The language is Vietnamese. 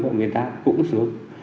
và người ta cũng xuống